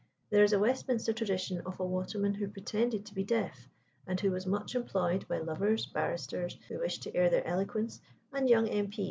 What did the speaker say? There is a Westminster tradition of a waterman who pretended to be deaf, and who was much employed by lovers, barristers who wished to air their eloquence, and young M.P.